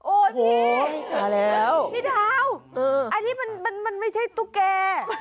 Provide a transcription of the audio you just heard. โอ้โฮนี่กะแล้วพี่ทาวน์อันนี้มันไม่ใช่ตุ๊กเกย์